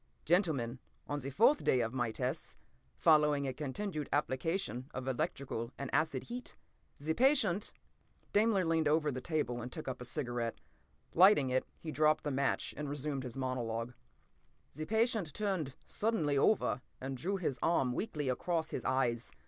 Gentlemen, on the fourth day of my tests, following a continued application of electric and acid heat, the patient—" Daimler leaned over the table and took up a cigarette. Lighting it, he dropped the match and resumed his monologue. "The patient turned suddenly over and drew his arm weakly across his eyes.